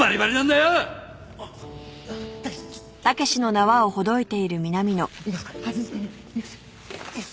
よし。